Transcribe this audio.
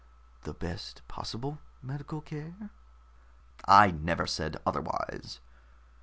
"The best possible medical care?" "I never said otherwise."